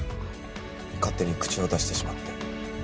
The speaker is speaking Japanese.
勝手に口を出してしまって。